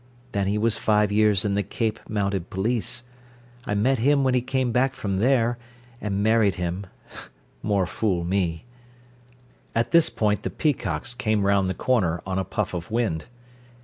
Then he was five years in the Cape Mounted Police. I met him when he came back from there, and married him more fool me " At this point the peacocks came round the corner on a puff of wind.